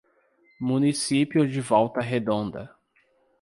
Município de Volta Redonda